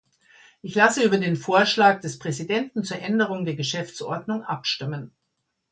Ich lasse über den Vorschlag des Präsidenten zur Änderung der Geschäftsordnung abstimmen.